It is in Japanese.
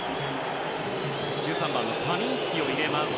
１３番のカミンスキを入れます。